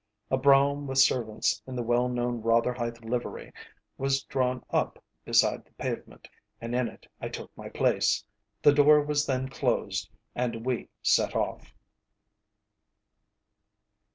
A brougham with servants in the well known Rotherhithe livery, was drawn up beside the pavement, and in it I took my place. The door was then closed and we set off.